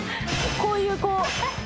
こういうこう。